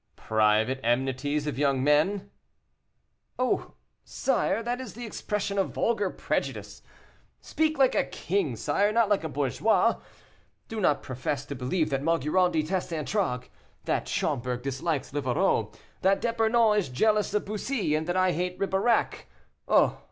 "Private enmities of young men?" "Oh! sire, that is the expression of vulgar prejudice; speak like a king, sire, not like a bourgeois. Do not profess to believe that Maugiron detests Antragues, that Schomberg dislikes Livarot, that D'Epernon is jealous of Bussy, and that I hate Ribeirac. Oh!